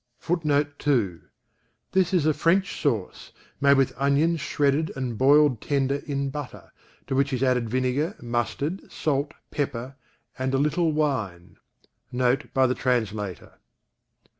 " [Footnote 2: This is a French sauce, made with onions shredded and boiled tender in butter, to which is added vinegar, mustard, salt, pepper, and a little wine. [Note by the translator.